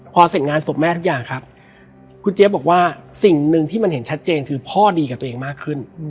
พอเสร็จงานศพแม่ทุกอย่างครับคุณเจี๊ยบบอกว่าสิ่งหนึ่งที่มันเห็นชัดเจนคือพ่อดีกับตัวเองมากขึ้น